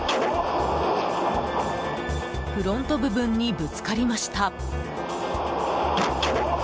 フロント部分にぶつかりました。